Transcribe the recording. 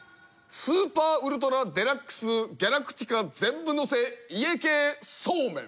スーパーウルトラデラックスギャラクティカ全部のせ家系ソーメン。